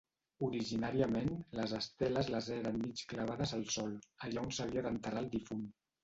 Originàriament, les esteles les eren mig clavades al sòl, allà on s'havia d'enterrar el difunt.